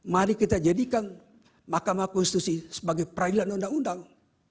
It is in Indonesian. mari kita jadikan mahkamah konstitusi sebagai peradilan undang undang